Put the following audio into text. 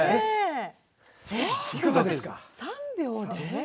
３秒で？